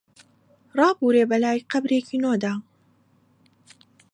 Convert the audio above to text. ڕابوورێ بەلای قەبرێکی نۆدا